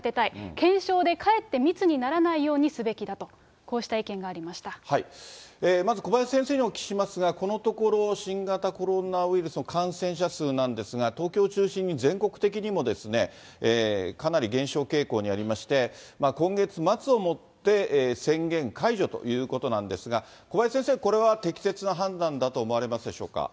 検証でかえって密にならないようにすべきだと、こうした意見があまず小林先生にお聞きしますが、このところ、新型コロナウイルスの感染者数なんですが、東京を中心に全国的にもかなり減少傾向にありまして、今月末をもって宣言解除ということなんですが、小林先生、これは適切な判断だと思われますでしょうか。